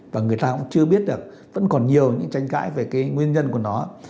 và người ta cũng chưa biết được vẫn còn nhiều những tranh cãi về cái nguyên nhân của nó